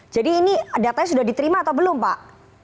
jadi ini datanya sudah diterima atau belum pak